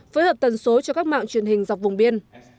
phối hợp tần số cho các mạng truyền hình dọc vùng biên